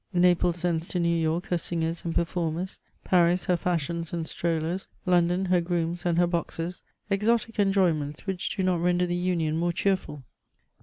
Naples sends to New Y(»i£ her singers and performers ; Paris her fashions and strollers ; London her grooms and her boxers — exotic enjoyments which do not render ihe union more cheerful.